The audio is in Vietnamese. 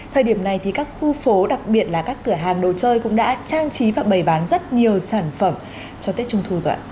thời điểm này thì các khu phố đặc biệt là các cửa hàng đồ chơi cũng đã trang trí và bày bán rất nhiều sản phẩm cho tết trung thu ạ